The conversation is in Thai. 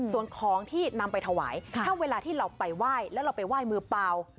ส่วนของที่นำไปถวายถ้าเวลาที่เราไปไหว้แล้วเราไปไหว้มือเปล่า